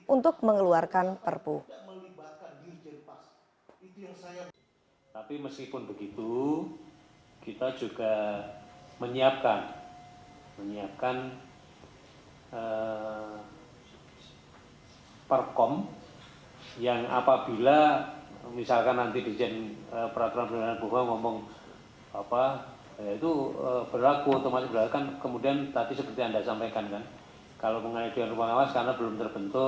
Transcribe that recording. untuk mengeluarkan perpu